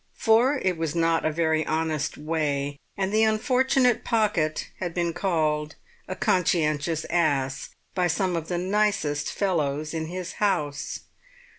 For it was not a very honest way, and the unfortunate Pocket had been called "a conscientious ass" by some of the nicest fellows in his house.